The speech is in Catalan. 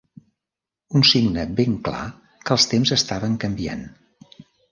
Un signe ben clar que els temps estaven canviant.